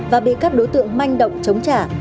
và bị các đối tượng manh động chống trả